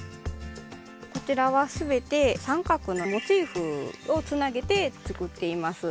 こちらは全て三角のモチーフをつなげて作っています。